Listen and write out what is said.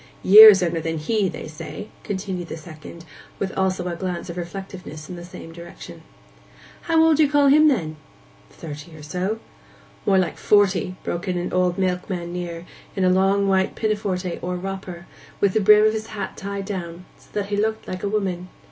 'Years younger than he, they say,' continued the second, with also a glance of reflectiveness in the same direction. 'How old do you call him, then?' 'Thirty or so.' 'More like forty,' broke in an old milkman near, in a long white pinafore or 'wropper,' and with the brim of his hat tied down, so that he looked like a woman.